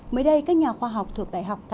mới đây các nhà khoa học thuộc đại học